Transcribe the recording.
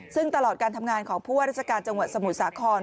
ซึ่งตลอดการทำงานของผู้ว่าราชการจังหวัดสมุทรสาคร